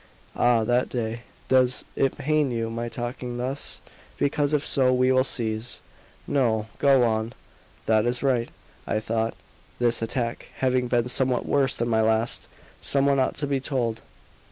Ah, that day! "Does it pain you, my talking thus? Because if so, we will cease." "No go on." "That is right. I thought, this attack having been somewhat worse than my last, some one ought to be told.